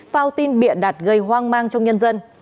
phao tin biện đạt gây hoang mang trong nhân dân